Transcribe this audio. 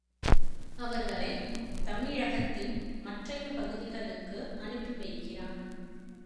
அவர்களைத் தமிழகத்தின் மற்றைய பகுதிகளுக்கு அனுப்பி வைக்கிறான்.